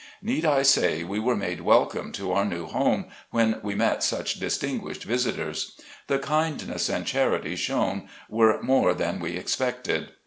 Need I say, we were made welcome to our new home, when we met such distinguished visitors. The kindness and charity shown were more than we expected.